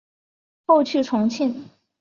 后去重庆。